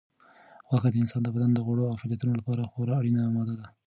غوښه د انسان د بدن د غړو د فعالیتونو لپاره خورا اړینه ماده ده.